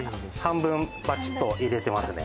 半分バチッと入れてますね